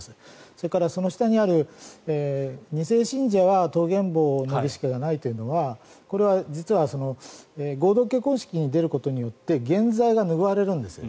それから下にある２世信者は蕩減棒の儀式がないというのはこれは実は合同結婚式に出ることによって原罪が拭われるんですよ。